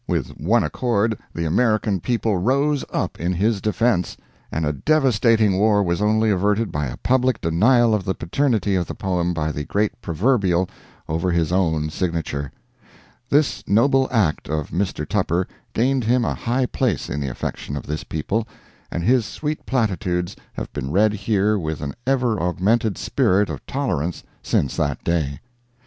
With one accord, the American people rose up in his defense, and a devastating war was only averted by a public denial of the paternity of the poem by the great Proverbial over his own signature. This noble act of Mr. Tupper gained him a high place in the affection of this people, and his sweet platitudes have been read here with an ever augmented spirit of tolerance since that day.